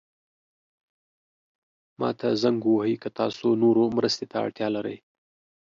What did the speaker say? ما ته زنګ ووهئ که تاسو نورو مرستې ته اړتیا لرئ.